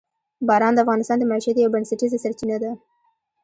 باران د افغانانو د معیشت یوه بنسټیزه سرچینه ده.